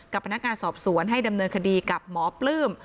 พนักงานสอบสวนให้ดำเนินคดีกับหมอปลื้ม